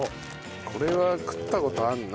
これは食った事あるな。